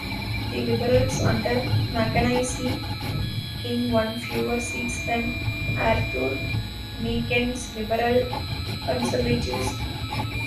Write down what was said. The Liberals under Mackenzie King won fewer seats than Arthur Meighen's Liberal-Conservatives.